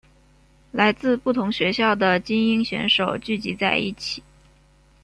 来自不同学校的菁英选手聚集在一起。